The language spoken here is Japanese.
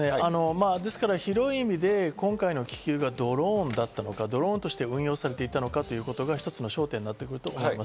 広い意味でドローンだったのか、ドローンとして運用されていたのかということが一つの焦点になってくると思います。